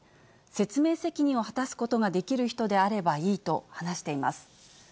説明責任を果たすことができる人であればいいと話しています。